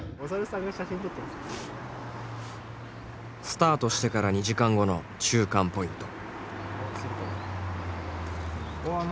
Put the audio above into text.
スタートしてから２時間後の中間ポイント。